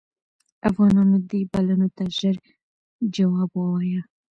افغانانو دې بلنو ته ژر جواب ووایه.